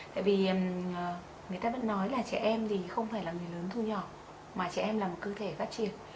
tại vì người ta vẫn nói là trẻ em thì không phải là người lớn thu nhỏ mà trẻ em là một cơ thể phát triển